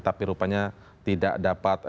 tapi rupanya tidak dapat